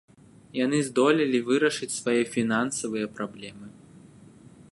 Яны здолелі вырашыць свае фінансавыя праблемы.